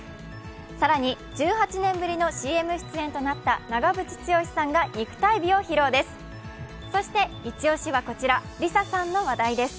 更に、１８年ぶりのＣＭ出演となった長渕剛さんが肉体美を披露です。